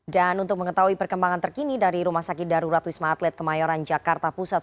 dan untuk mengetahui perkembangan terkini dari rumah sakit darurat wisma atlet kemayoran jakarta pusat